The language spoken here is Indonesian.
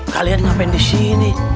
kalian ngapain disini